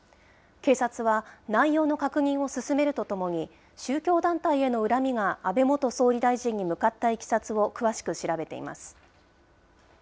警察は内容の確認を進めるとともに、宗教団体への恨みが安倍元総理大臣に向かったいきさつを、詳しく調べています。